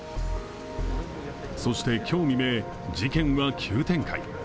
そして今日未明、事件は急展開。